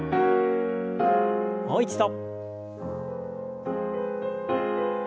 もう一度。